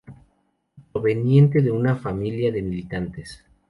Proveniente de una familia de militantes.